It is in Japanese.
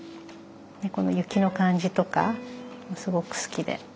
この雪の感じとかすごく好きで。